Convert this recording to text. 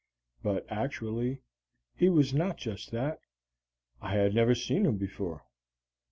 But actually he was not just that. I had never seen him before.